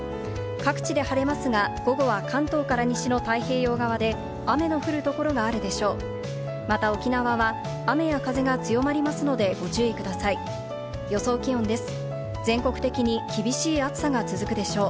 各地で晴れますが、午後は関東から西の太平洋側で雨の降る所があるでしょう。